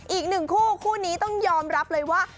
อีกหนึ่งคู่คู่นี้ต้องยอมรับเลยว่า